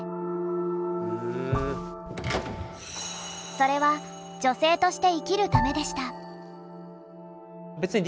それは女性として生きるためでした。